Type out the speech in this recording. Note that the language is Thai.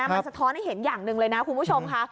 มันสะท้อนให้เห็นอย่างหนึ่งเลยนะคุณผู้ชมค่ะ